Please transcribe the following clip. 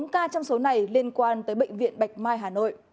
bốn ca trong số này liên quan tới bệnh viện bạch mai hà nội